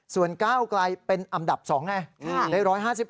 ส่วนก้าวไกลเป็นอันดับ๒ไงได้๑๕๑